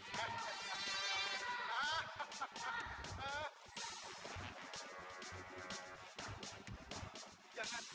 kau memang anak yang manis